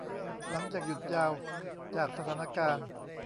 หลังจากหยุดยาว จากสถานการณ์